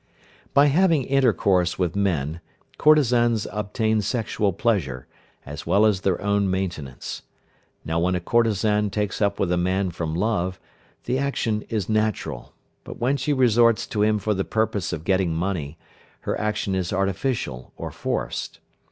By having intercourse with men courtesans obtain sexual pleasure, as well as their own maintenance. Now when a courtesan takes up with a man from love, the action is natural; but when she resorts to him for the purpose of getting money, her action is artificial or forced.